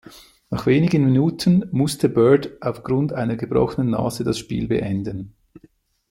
Nach wenigen Minuten musste Bird aufgrund einer gebrochenen Nase das Spiel beenden.